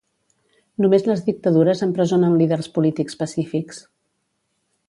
Només les dictadures empresonen líders polítics pacífics.